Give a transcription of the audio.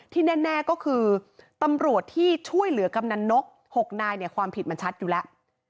แน่ก็คือตำรวจที่ช่วยเหลือกำนันนก๖นายเนี่ยความผิดมันชัดอยู่แล้ว